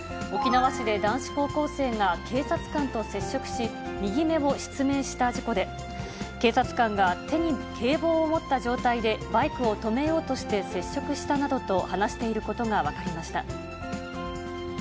沖縄市で男子高校生が警察官と接触し、右目を失明した事故で、警察官が手に警棒を持った状態でバイクを止めようとして接触したなどと、話していることが分かりました。